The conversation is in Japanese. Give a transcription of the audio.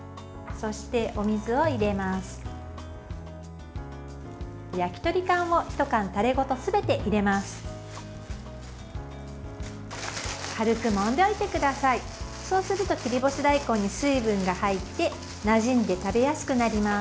そうすると切り干し大根に水分が入ってなじんで食べやすくなります。